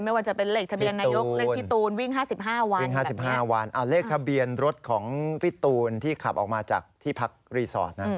ไม่ว่าจะเป็นเลขทะเบียนนายกเลขพี่ตูนวิ่ง๕๕วันวิ่ง๕๕วันเลขทะเบียนรถของพี่ตูนที่ขับออกมาจากที่พักรีสอร์ทนะ